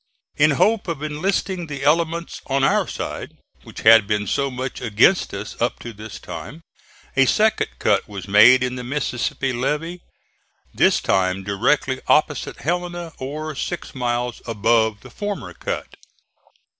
In hope of enlisting the elements on our side, which had been so much against us up to this time, a second cut was made in the Mississippi levee, this time directly opposite Helena, or six miles above the former cut.